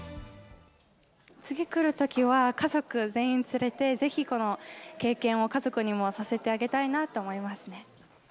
次来るときは、家族全員連れて、ぜひこの経験を家族にもさせてあげたいなと思いますね。